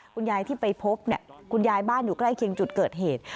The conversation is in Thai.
คุณยายที่ไปพบเนี่ยคุณยายบ้านอยู่ใกล้เคียงจุดเกิดเหตุ